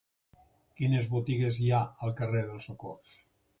Quines botigues hi ha al carrer del Socors?